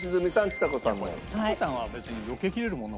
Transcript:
ちさ子ちゃんは別によけきれるもんな。